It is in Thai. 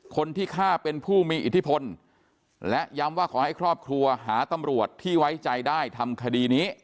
คนที่ฆ่าเป็นผู้มีอิทธิพลและย้ำว่าขอให้ครอบครัวหาตำรวจที่ไว้ใจได้ทำคดีนี้